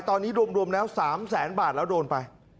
ตอนนี้รวมแล้ว๓แสนบาทแล้วโดนไป